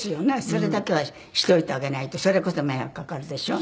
それだけはしといてあげないとそれこそ迷惑かかるでしょ。